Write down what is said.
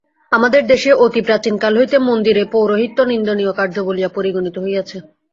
আমাদের দেশে অতি প্রাচীনকাল হইতে মন্দিরে পৌরোহিত্য নিন্দনীয় কার্য বলিয়া পরিগণিত হইয়াছে।